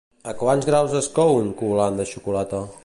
A quants graus es cou un coulant de xocolata?